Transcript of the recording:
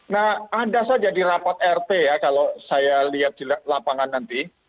nah ada saja di rapat rt ya kalau saya lihat di lapangan nanti